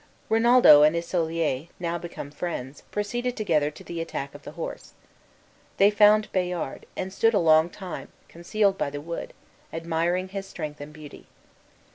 Rinaldo and Isolier, now become friends, proceeded together to the attack of the horse. They found Bayard, and stood a long time, concealed by the wood, admiring his strength and beauty.